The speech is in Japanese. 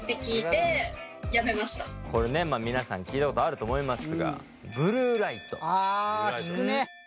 これね皆さん聞いたことあると思いますがあ聞くね。